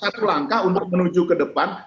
satu langkah untuk menuju ke depan